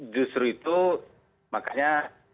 justru itu makanya